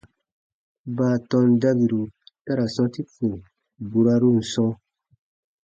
Baatɔn dabiru ta ra sɔ̃ti ko burarun sɔ̃,